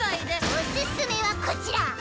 おすすめはこちら！